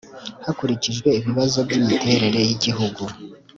hakurikijwe ibibazo by'imiterere y'igihugu,